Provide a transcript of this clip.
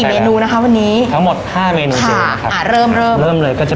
สวัสดีค่ะสวัสดีค่ะสวัสดีค่ะสวัสดีค่ะ